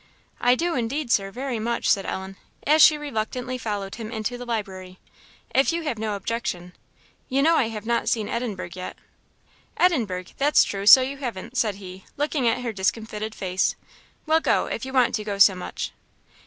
"I do indeed, Sir, very much," said Ellen, as she reluctantly followed him into the library, "if you have no objection. You know I have not seen Edinburgh yet." "Edinburgh! that's true, so you haven't," said he, looking at her discomfited face. "Well, go, if you want to go so much."